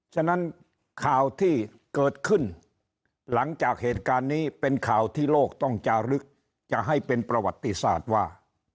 ฉะนั้นข่าวที่เกิดขึ้นหลังจากเหตุการณ์นี้เป็นข่าวที่โลกต้องจารึกจะให้เป็นประวัติศาสตร์ว่า